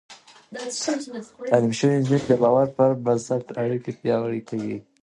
تعليم شوې نجونې د باور پر بنسټ اړيکې پياوړې کوي.